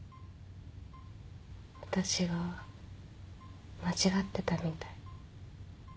私が間違ってたみたい。